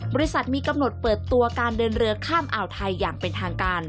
บริษัทมีกำหนดเปิดตัวการเดินเรือข้ามอ่าวไทยอย่างเป็นทางการ